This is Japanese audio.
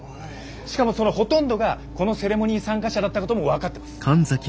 しかもそのほとんどがこのセレモニー参加者だったことも分かってます。